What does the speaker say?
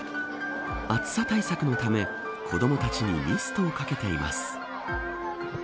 暑さ対策のため子どもたちミストをかけています。